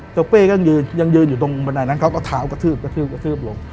เป้ก็ยังยืนยังยืนอยู่ตรงบันไดนั้นเขาก็เท้ากระทืบกระทืบกระทืบลง